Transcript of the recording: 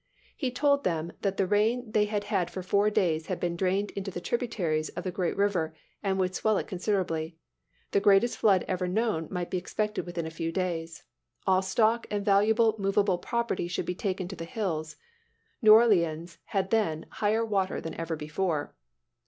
He told them that the rain they had had for four days had been drained into the tributaries of the great river and would swell it considerably. The greatest flood ever known might be expected within a few days. All stock and valuable movable property should be taken to the hills. New Orleans had then higher water than ever before.